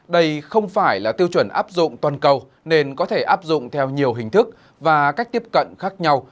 điều này là tiêu chuẩn áp dụng toàn cầu nên có thể áp dụng theo nhiều hình thức và cách tiếp cận khác nhau